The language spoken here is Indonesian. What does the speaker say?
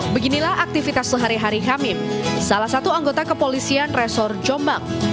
beginilah aktivitas sehari hari hamim salah satu anggota kepolisian resor jombang